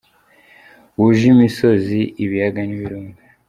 Wuje imisozi, ibiyaga n’ibirunga